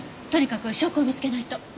とにかく証拠を見つけないと。